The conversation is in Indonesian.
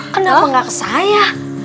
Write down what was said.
kenapa gak ke saya